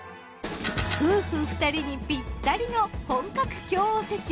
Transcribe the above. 夫婦２人にぴったりの本格京おせち。